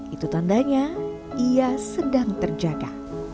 itu tandanya ia sedang terjaga